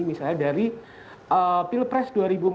misalnya dari pilpres dua ribu empat belas